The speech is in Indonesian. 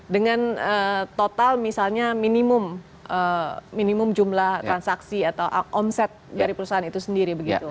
dengan total misalnya minimum jumlah transaksi atau omset dari perusahaan itu sendiri begitu